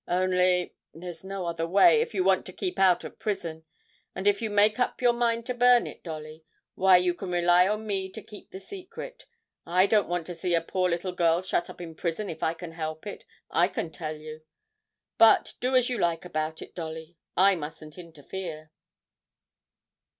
Only there's no other way, if you want to keep out of prison. And if you make up your mind to burn it, Dolly, why you can rely on me to keep the secret. I don't want to see a poor little girl shut up in prison if I can help it, I can tell you. But do as you like about it, Dolly; I mustn't interfere.'